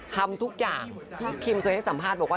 ทำทุกอย่างที่คิมเคยให้สัมภาษณ์บอกว่า